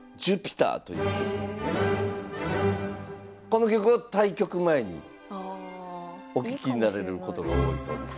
この曲を対局前にお聴きになられることが多いそうです。